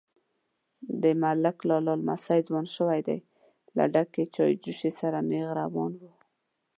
_د ملک لالا لمسی ځوان شوی دی، له ډکې چايجوشې سره نيغ روان و.